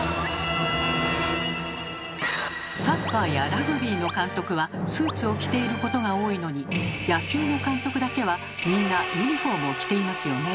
サッカーやラグビーの監督はスーツを着ていることが多いのに野球の監督だけはみんなユニフォームを着ていますよね。